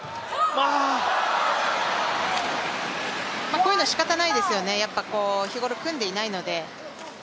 こういうのはしかたないですよね日頃組んでいないので。